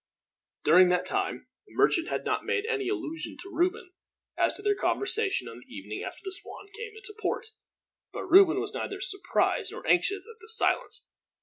During that time the merchant had not made any allusion, to Reuben, as to their conversation on the evening after the Swan came into port. But Reuben was neither surprised nor anxious at this silence.